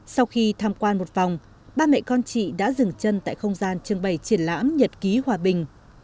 sau khi tham quan một vòng ba mẹ con chị đã dừng chân tại không gian trưng bày triển lãm nhật ký hòa bình